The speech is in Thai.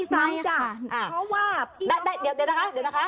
ไม่ซ้ำจ้ะเพราะว่า